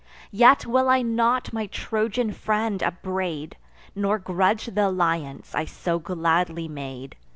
Yet will I not my Trojan friend upbraid, Nor grudge th' alliance I so gladly made.